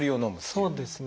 そうですね。